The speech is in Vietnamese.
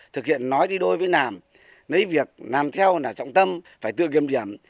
thực hiện nói đi đôi với nàm nấy việc nàm theo là trọng tâm phải tự kiểm điểm